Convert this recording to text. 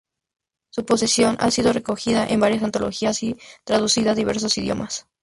Su poesía ha sido recogida en varias antologías y traducida a diversos idiomas.